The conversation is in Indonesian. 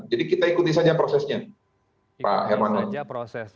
jadi kita ikuti saja prosesnya pak hermanoff